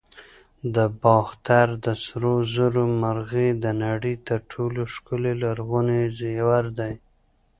د باختر د سرو زرو مرغۍ د نړۍ تر ټولو ښکلي لرغوني زیور دی